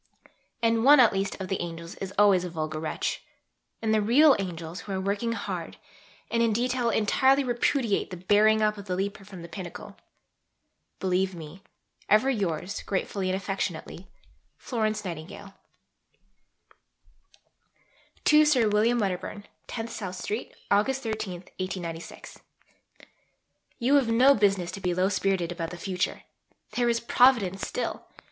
And one at least of the "angels" is always a vulgar wretch. And the real "angels" who are working hard, and in detail entirely repudiate the "bearing up" of the leaper from the pinnacle.... Believe me, ever yours gratefully and affectionately, F. N. (To Sir William Wedderburn.) 10 SOUTH STREET, August 13 .... You have no business to be low spirited about the future. There is Providence still.